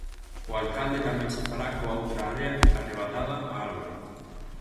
O alcalde tamén se fará coa outra área arrebatada a Álvarez.